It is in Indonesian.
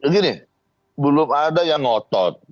gini belum ada yang ngotot